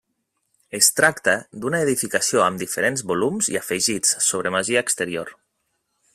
Es tracta d'una edificació amb diferents volums i afegits sobre masia exterior.